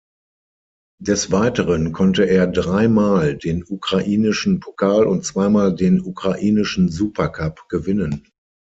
Des Weiteren konnte er dreimal den ukrainischen Pokal und zweimal den ukrainischen Supercup gewinnen.